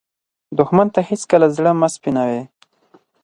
دښمن ته هېڅکله زړه مه سپينوې